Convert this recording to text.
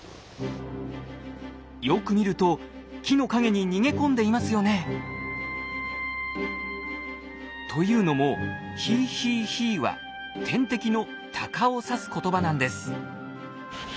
よく見ると木の陰に逃げ込んでいますよね。というのも「ヒーヒーヒー」は天敵のタカを指す言葉なんです。